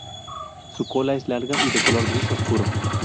Su cola es larga y de color gris oscuro.